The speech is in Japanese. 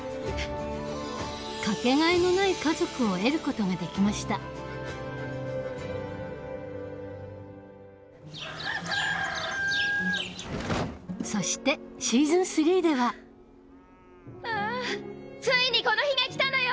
かけがえのない家族を得ることができましたそしてシーズン３ではああついにこの日が来たのよ！